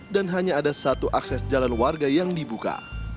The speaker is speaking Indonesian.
dan hanya ada satu akses jalan warga yang dibuka